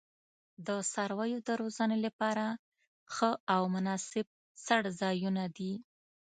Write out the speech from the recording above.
د څارویو د روزنې لپاره ښه او مناسب څړځایونه دي.